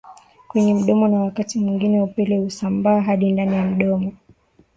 kwenye mdomo na wakati mwingine upele husambaa hadi ndani ya mdomo